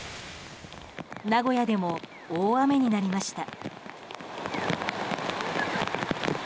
名古屋でも大雨になりました。